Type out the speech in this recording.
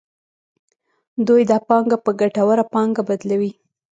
دوی دا پانګه په ګټوره پانګه بدلوي